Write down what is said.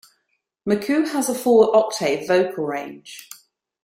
McCoo has a four-octave vocal range.